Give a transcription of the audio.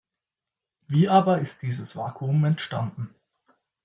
Wie aber ist dieses Vakuum entstanden?